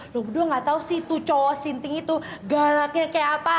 lo buru gak tau sih tuh cowok sinting itu galaknya kayak apa